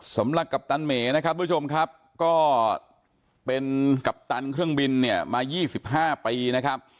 สำหรับกัปตันเหมนะครับทุกผู้ชมครับก็เป็นกัปตันเครื่องบินเนี่ยมา๒๕ปีนะครับ